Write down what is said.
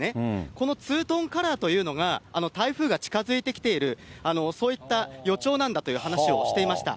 このツートンカラーというのが、台風が近づいてきているそういった予兆なんだという話をしていました。